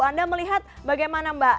anda melihat bagaimana mbak